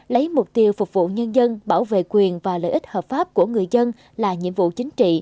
lấy mục tiêu phục vụ nhân dân bảo vệ quyền và lợi ích hợp pháp của người dân là nhiệm vụ chính trị